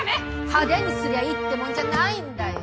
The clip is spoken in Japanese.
派手にすりゃいいってもんじゃないんだよ。